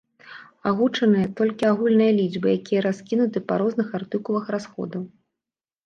Агучаны толькі агульныя лічбы, якія раскінуты па розных артыкулах расходаў.